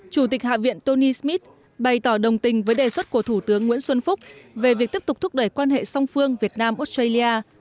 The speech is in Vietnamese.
chủ tịch hạ viện tony smith bày tỏ đồng tình với đề xuất của thủ tướng nguyễn xuân phúc về việc tiếp tục thúc đẩy quan hệ song phương việt nam australia